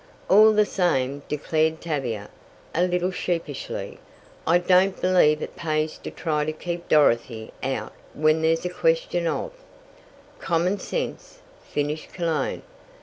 "All the same," declared Tavia, a little sheepishly, "I don't believe it pays to try to keep Dorothy out when there's a question of " "Common sense," finished Cologne.